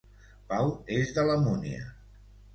Pau és de la Múnia